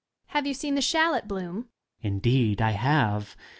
Have you seen the shallot bloom? Student. Indeed^ I have!